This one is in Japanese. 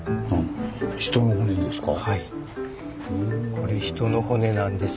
これ人の骨なんです。